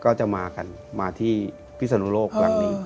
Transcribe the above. ก็จะมากันมาที่พิศนุโลกครั้งนี้